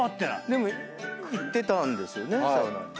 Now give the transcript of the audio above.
でも行ってたんですよね？